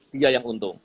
dia yang untung